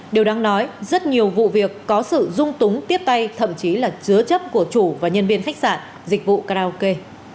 điều đáng nói rất nhiều vụ việc có sự dung túng tiếp tay thậm chí là chứa chấp của chủ và nhân viên khách sạn dịch vụ karaoke